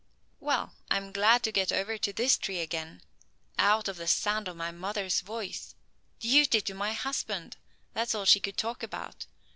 "Well, I'm glad to get over to this tree again out of the sound of mother's voice. Duty to my husband; that's all she could talk about.